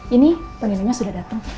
ini penilainya sudah datang